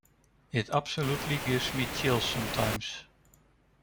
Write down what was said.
It absolutely gives me chills sometimes.